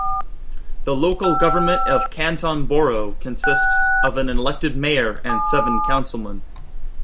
The local government of Canton Borough consists of an elected mayor and seven councilmen.